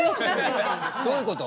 どういうこと？